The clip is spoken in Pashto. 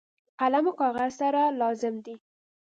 قلم او کاغذ سره لازم دي.